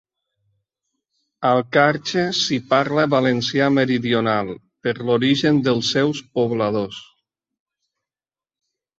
Al Carxe s'hi parla valencià meridional per l'origen dels seus pobladors.